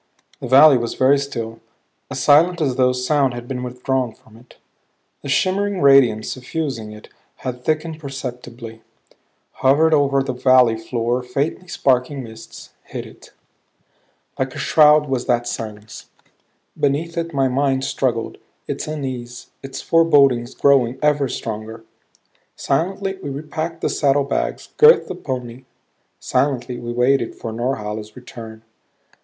The valley was very still; as silent as though sound had been withdrawn from it. The shimmering radiance suffusing it had thickened perceptibly; hovered over the valley floor faintly sparkling mists; hid it. Like a shroud was that silence. Beneath it my mind struggled, its unease, its forebodings growing ever stronger. Silently we repacked the saddlebags; girthed the pony; silently we waited for Norhala's return.